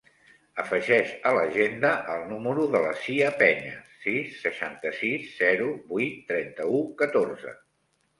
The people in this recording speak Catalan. Afegeix a l'agenda el número de la Sia Peñas: sis, seixanta-sis, zero, vuit, trenta-u, catorze.